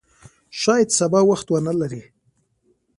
شاید سبا وخت ونه لرې !